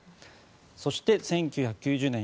そして、翌年、１９９０年